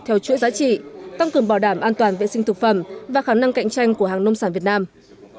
theo chuỗi giá trị tăng cường bảo đảm an toàn vệ sinh thực phẩm và khả năng cạnh tranh của hàng nông sản việt nam